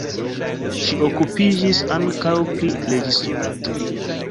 Ŝi okupiĝis ankaŭ pri reĝisorado.